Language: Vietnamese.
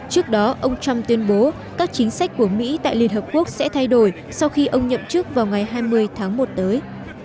trước đó ông trump tuyên bố các chính sách của mỹ tại liên hợp quốc sẽ thay đổi sau khi ông nhậm chức vào ngày hai mươi tháng một tới